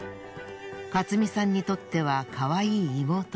勝三さんにとってはかわいい妹。